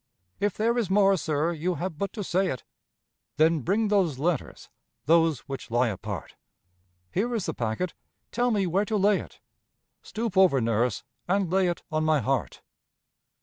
"If there is more, sir, you have but to say it." "Then bring those letters those which lie apart." "Here is the packet! Tell me where to lay it." "Stoop over, nurse, and lay it on my heart."